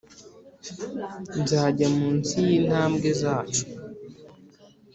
nzajya munsi yintambwe zacu